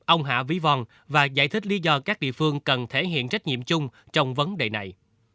ông hạ vĩ von và giải thích lý do các địa phương cần thể hiện trách nhiệm chung trong vấn đề này